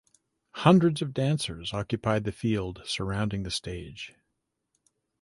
Hundreds of dancers occupied the field surrounding the stage.